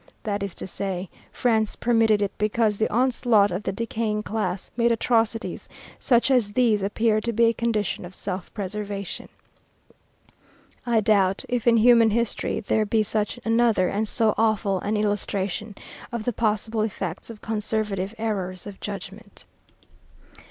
That is to say, France permitted it because the onslaught of the decaying class made atrocities such as these appear to be a condition of self preservation. I doubt if, in human history, there be such another and so awful an illustration of the possible effects of conservative errors of judgment.